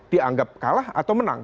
dianggap kalah atau menang